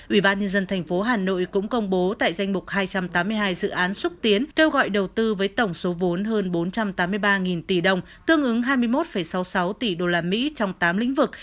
ủy ban nhân dân thành phố hà nội cũng công bố tại danh mục hai trăm tám mươi hai dự án xúc tiến kêu gọi đầu tư với tổng số vốn hơn bốn trăm tám mươi ba tỷ đồng tương ứng hai mươi một sáu mươi sáu tỷ usd trong tám lĩnh vực